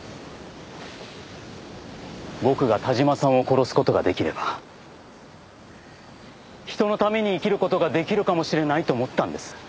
僕が田島さんを殺す事が出来れば人のために生きる事が出来るかもしれないと思ったんです。